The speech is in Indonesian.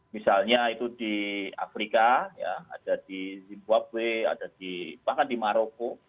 misalnya itu di afrika ada di zimbuabwe ada di bahkan di maroko